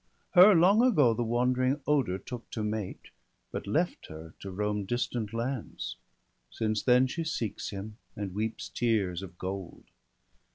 Her long ago the wandering Oder took To mate, but left her to roam distant lands; Since then she seeks him, and weeps tears of gold.